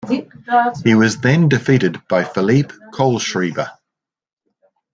He was then defeated by Philipp Kohlschreiber.